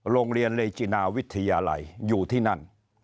โรงเรียนเลจินาวิทยาลัยอยู่ที่นั่น